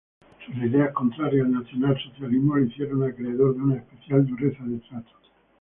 Sus ideas contrarias al nacionalsocialismo le hicieron acreedor de una especial dureza de trato.